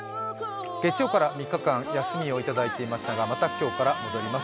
月曜から３日間、休みをいただいていましたがまた今日から戻ります。